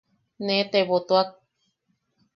Nee tebotuak.